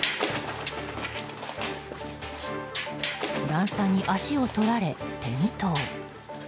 段差に足を取られ、転倒。